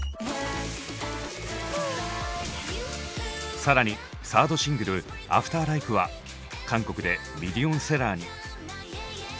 更にサードシングル「ＡｆｔｅｒＬＩＫＥ」は韓国でミリオンセラーに。